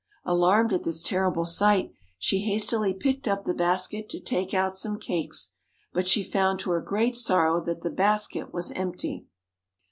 Alarmed at this terrible sight, she hastily picked up the basket to take out some cakes ; but she found to her great sorrow that the basket was empty.